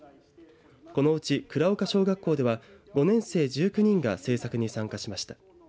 このうち倉岡小学校では５年生、１９人が制作に参加しました。